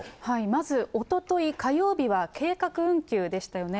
まずおととい火曜日は計画運休でしたよね。